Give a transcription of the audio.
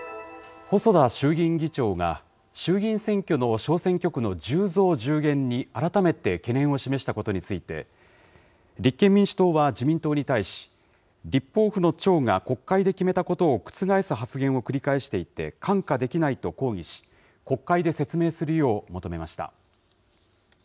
細田衆議院議長が衆議院選挙の小選挙区の１０増１０減に改めて懸念を示したことについて、立憲民主党は自民党に対し、立法府の長が国会で決めたことを覆す発言を繰り返していて、看過できないと抗議し、国会で説明するよう求めました。